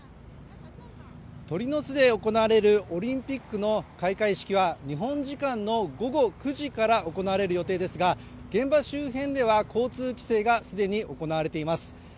鳥の巣で行われるオリンピックの開会式は日本時間の午後９時から行われる予定ですが現場周辺では交通規制がすでに行われています